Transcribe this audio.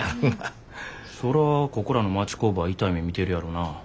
そらここらの町工場は痛い目見てるやろな。